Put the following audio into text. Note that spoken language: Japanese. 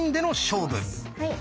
はい。